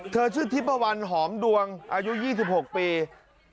เธอชื่อทิปวันหอมดวงอายุ๒๖ปี